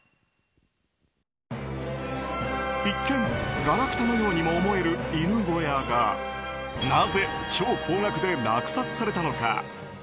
一見、ガラクタのようにも思える犬小屋がなぜ超高額で落札されたのか。